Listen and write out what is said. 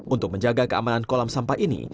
untuk menjaga keamanan kolam sampah ini